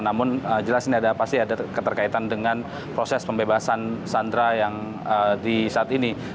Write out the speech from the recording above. namun jelas ini ada pasti ada keterkaitan dengan proses pembebasan sandera yang di saat ini